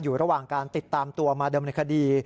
อยู่ระหว่างการติดตามตัวมาเดิมในคดี